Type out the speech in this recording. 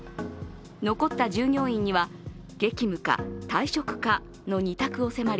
残った従業員には激務か退職かの二択を迫り